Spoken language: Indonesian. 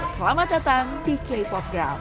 selamat datang di k pop ground